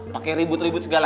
pakai ribut ribut segala